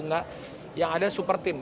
tidak yang ada super tim